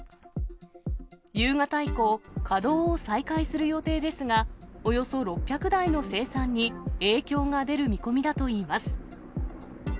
夕方以降、稼働を再開する予定ですが、およそ６００台の生産に影響が出る見込みだといいます。